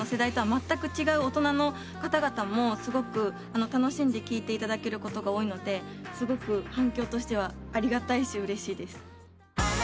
まったく違う大人の方々もすごく楽しんで聴いていただけることが多いのですごく反響としてはありがたいしうれしいです。